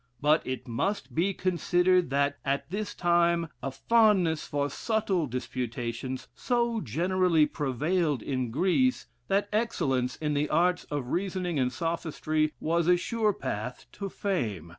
But it must be considered, that, at this time, a fondness for subtle disputations so generally prevailed in Greece, that excellence in the arts of reasoning and sophistry was a sure path to fame.